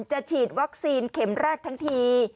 ฉีดวัคซีนเข็มแรกทั้งที